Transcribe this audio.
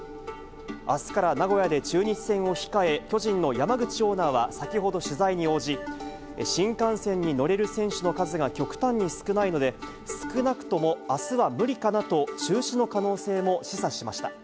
あすから名古屋で中日戦を控え、巨人の山口オーナーは先ほど取材に応じ、新幹線に乗れる選手の数が極端に少ないので、少なくともあすは無理かなと中止の可能性も示唆しました。